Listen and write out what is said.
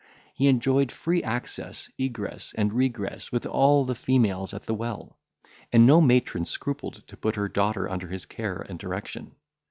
He enjoyed free access, egress, and regress with all the females at the well, and no matron scrupled to put her daughter under his care and direction.